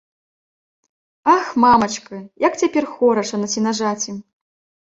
Ах, мамачка, як цяпер хораша на сенажаці!